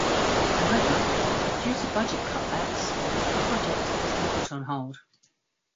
However, due to budget cutbacks, the project has been put on hold.